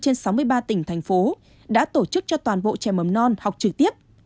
năm mươi bốn trên sáu mươi ba tỉnh thành phố đã tổ chức cho toàn bộ trẻ mầm non học trực tiếp